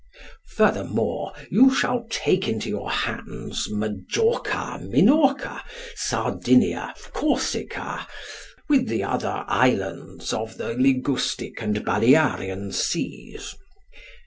Furthermore, you shall take into your hands Majorca, Minorca, Sardinia, Corsica, with the other islands of the Ligustic and Balearian seas.